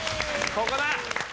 ここだ！